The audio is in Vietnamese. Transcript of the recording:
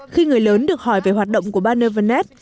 khi người lớn được hỏi về hoạt động của ban evernest